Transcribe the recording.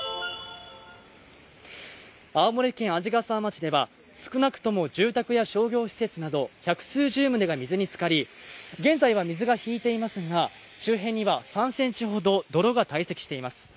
青森県鰺ヶ沢町では少なくとも住宅や商業施設など百数十棟が水につかり、現在は水が引いていますが、周辺には３ｃｍほど泥が堆積しています。